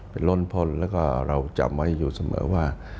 เป็นล้นพลแล้วก็เราจำไว้อยู่เสมอว่า